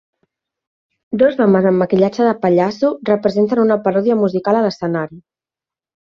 Dos homes amb maquillatge de pallasso representen una paròdia musical a l'escenari.